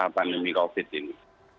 pandemi covid ini